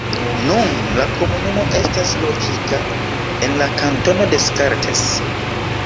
Nun, la komunumo estas lokita en la kantono Descartes.